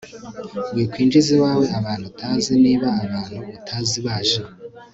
wikwinjiza iwawe abantu utazi niba abantu utazi baje